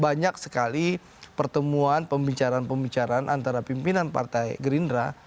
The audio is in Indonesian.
banyak sekali pertemuan pembicaraan pembicaraan antara pimpinan partai gerindra